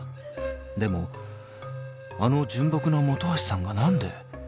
［でもあの純朴な本橋さんが何で？］